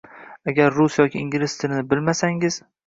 Agar rus yoki ingliz tilini bilmasangiz